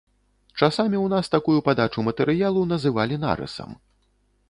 Часамі ў нас такую падачу матэрыялу называлі нарысам.